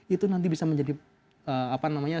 itu nanti bisa menjadi apa namanya